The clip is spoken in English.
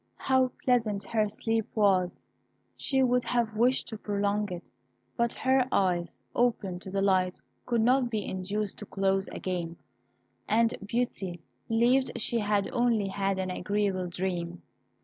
How pleasant her sleep was! She would have wished to prolong it, but her eyes, open to the light, could not be induced to close again, and Beauty believed she had only had an agreeable dream.